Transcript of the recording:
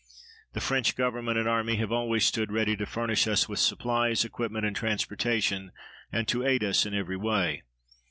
The French Government and Army have always stood ready to furnish us with supplies, equipment, and transportation, and to aid us in every way.